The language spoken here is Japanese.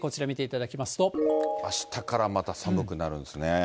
あしたからまた寒くなるんですね。